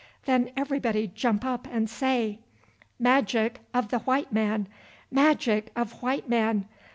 Then everybody jump up and say: "'Magic of white man! Magic of white man!